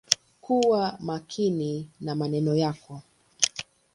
Kuwa makini na maneno yako.